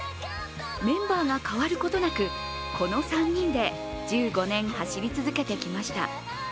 メンバーが替わることなく、この３人で１５年走り続けてきました。